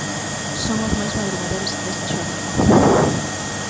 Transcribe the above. Son os máis madrugadores desta xornada.